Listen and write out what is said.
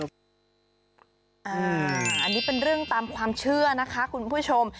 อันนี้เป็นเรื่องตามความเชื่อนะคะคุณผู้ชม